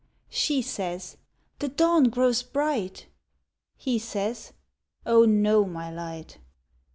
She says, "The dawn grows bright," He says, "O no, my Light."